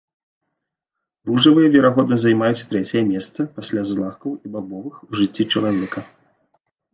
Ружавыя, верагодна, займаюць трэцяе месца, пасля злакаў і бабовых, у жыцці чалавека.